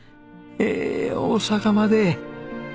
へえ大阪まで。